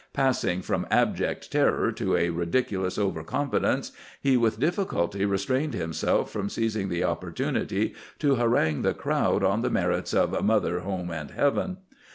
Passing from abject terror to a ridiculous over confidence, he with difficulty restrained himself from seizing the opportunity to harangue the crowd on the merits of "Mother, Home, and Heaven."